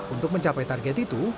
untuk mencapai target itu